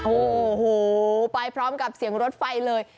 โอ้โหไปพร้อมกับเสียงรถไฟเลย